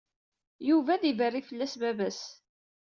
Yuba ad iberri fell-as baba-s.